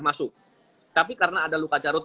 masuk tapi karena ada luka carut